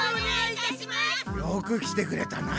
よく来てくれたな。